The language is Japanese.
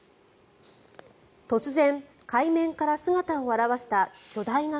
突然、海面から姿を現した巨大な鯨。